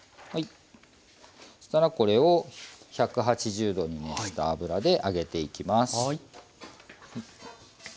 そしたらこれを１８０℃に熱した油で揚げていきます。